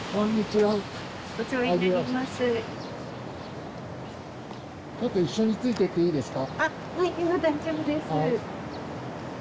はい今大丈夫です。